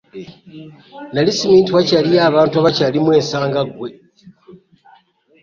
Nali ssimanyi nti wakyaliyo abantu abakyalimu ensa nga ggwe!